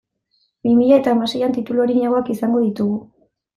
Bi mila eta hamaseian titulu arinagoak izango ditugu.